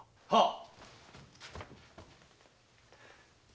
はっ？